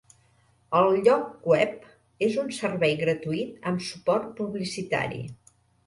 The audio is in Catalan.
El lloc web és un servei gratuït amb suport publicitari.